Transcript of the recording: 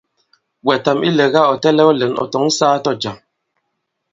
Wɛ̀tam ilɛ̀ga ɔ̀ tɛlɛ̄w lɛ̌n, ɔ̀ tɔ̌ŋ sāā tɔ̀jàm.